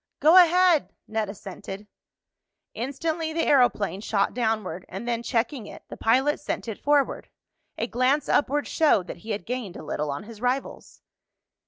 "Go ahead," Ned assented. Instantly the aeroplane shot downward, and then, checking it, the pilot sent it forward. A glance upward showed that he had gained a little on his rivals.